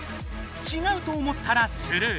「ちがう」と思ったらスルー。